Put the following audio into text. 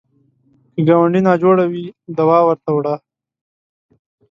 که ګاونډی ناجوړه وي، دوا ورته وړه